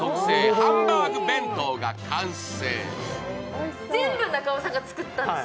ハンバーグ弁当が完成。